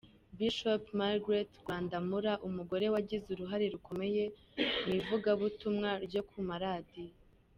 Bishop Margret Rwandamura: Umugore wagize uruhare rukomeye mu ivugabutumwa ryo ku maradiyo.